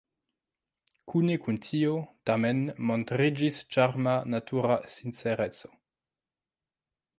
Kune kun tio, tamen, montriĝis ĉarma, natura sincereco.